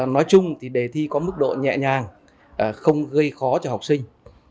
nói chung thì đề thi có mức độ nhẹ nhàng không gây khó cho học sinh